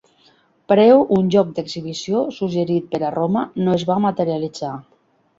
Preo un joc d'exhibició suggerit per a Roma no es va materialitzar.